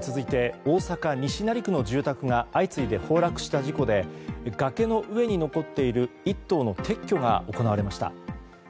続いて大阪・西成区の住宅が相次いで崩落した事故で崖の上に残っている１棟の撤去が行われました。